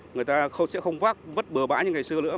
người ta sẽ không vắt bờ bã như ngày xưa nữa